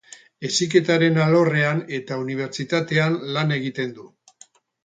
Heziketaren alorrean eta unibertsitatean lan egiten du.